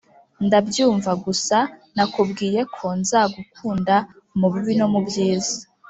ndabyumva, gusa nakubwiyeko nzagukunda mubibi no mubyiza